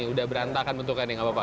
udah berantakan bentuknya nggak apa apa